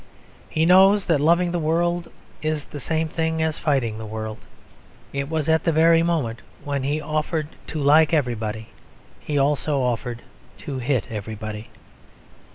He knows that loving the world is the same thing as fighting the world. It was at the very moment when he offered to like everybody he also offered to hit everybody.